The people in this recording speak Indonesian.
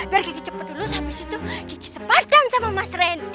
biar gigi cepat dulu habis itu gigi sepadan sama mas ren